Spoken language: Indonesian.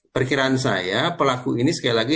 perkiraan saya pelaku ini sekali lagi